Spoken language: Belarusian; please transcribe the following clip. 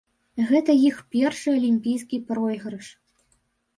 Гэта іх першы алімпійскі пройгрыш.